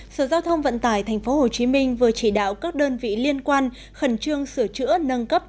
sở giao thông vận tải tp hcm vừa chỉ đạo các đơn vị liên quan khẩn trương sửa chữa nâng cấp